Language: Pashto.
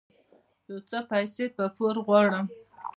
يو څه پيسې په پور غواړم